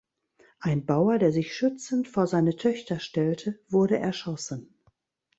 Ein Bauer, der sich schützend vor seine Töchter stellte, wurde erschossen.